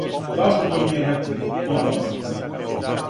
"Зашто то мијењати?" пита она."